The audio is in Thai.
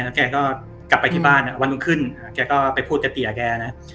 แล้วแกก็กลับไปที่บ้านวันรุ่งขึ้นแกก็ไปพูดกับเตี๋ยแกนะ